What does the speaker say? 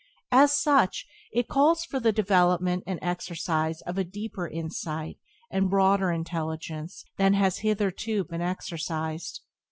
As such, it calls for the development and exercise of a deeper insight and broader intelligence than has hitherto been exercised.